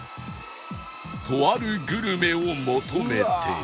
とあるグルメを求めて